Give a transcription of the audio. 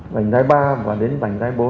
vành đai ba và đến vành đai bốn